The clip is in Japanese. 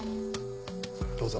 どうぞ。